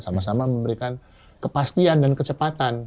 sama sama memberikan kepastian dan kecepatan